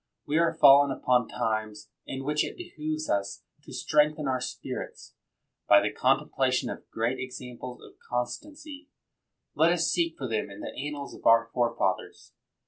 We are fallen upon times in which it behooves us to strengthen our spirits by the contemplation of great examples of con 98 MACKINTOSH stancy. Let us seek for them in the annals of our forefathers.